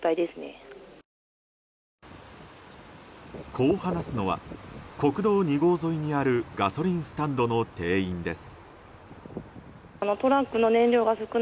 こう話すのは国道２号沿いにあるガソリンスタンドの店員です。